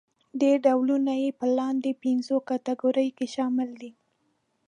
ډېری ډولونه يې په لاندې پنځو کټګوریو کې شامل دي.